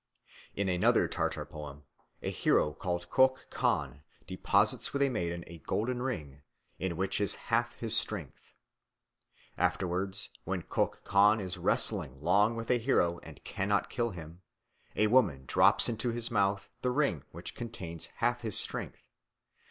In another Tartar poem a hero called Kök Chan deposits with a maiden a golden ring, in which is half his strength. Afterwards when Kök Chan is wrestling long with a hero and cannot kill him, a woman drops into his mouth the ring which contains half his strength.